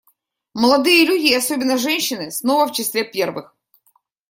Молодые люди — и особенно женщины — снова в числе первых.